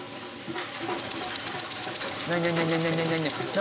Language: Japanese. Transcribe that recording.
何？